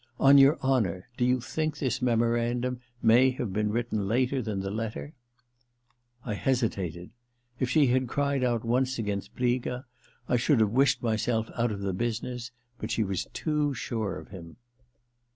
On your 256 THE LETTER 11 honour, do you think this memorandum may have been written later than the letter ?' I hesitated. If she had cried out once against Briga I should have wished myself out of the business ; but she was too sure of him.